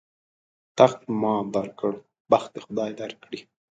تخت ما در کړ، بخت دې خدای در کړي.